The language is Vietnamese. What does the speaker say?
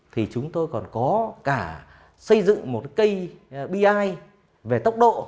thì chúng tôi còn có cả xây dựng một cây bi về tốc độ